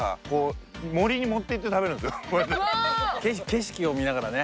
景色を見ながらね。